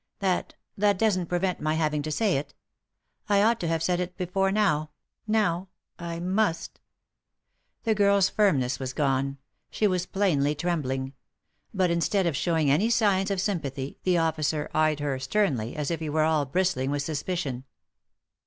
That — that doesn't prevent my having to say it. I ought to have said it before now — now I must" The girl's firmness was gone ; she was plainly trembling. But instead of showing any signs of sympathy, the officer eyed her sternly, as if he were all bristling with suspicion.